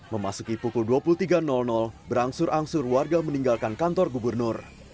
memasuki pukul dua puluh tiga berangsur angsur warga meninggalkan kantor gubernur